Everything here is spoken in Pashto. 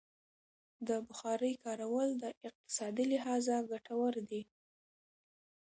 د بخارۍ کارول د اقتصادي لحاظه ګټور دي.